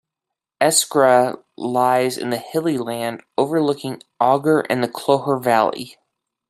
Eskra lies in the hilly land overlooking Augher and the Clogher valley.